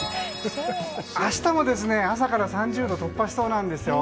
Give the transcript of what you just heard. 明日も朝から３０度を突破しそうなんですよ。